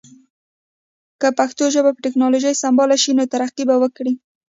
که پښتو ژبه په ټکنالوژی سمبال شی نو ترقی به وکړی